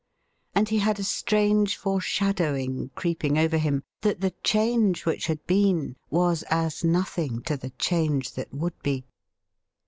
And he had a strange fore shadowing creeping over him that the change which had been was as nothing to the change that would be.